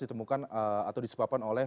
ditemukan atau disebabkan oleh